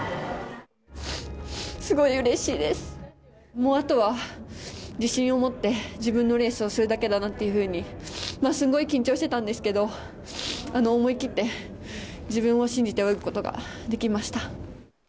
もうあとは自信を持って、自分のレースをするだけだなっていうふうに、すんごい緊張してたんですけど、思い切って、自分を信じて泳ぐことができました。